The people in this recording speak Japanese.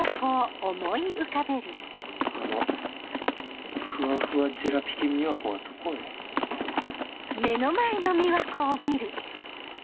あのふわふわジェラピケ美和子はどこへ？よいしょ。